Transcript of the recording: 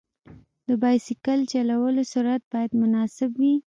د بایسکل چلولو سرعت باید مناسب وي.